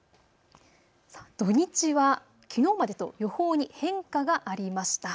土日はきのうまでと予報に変化がありました。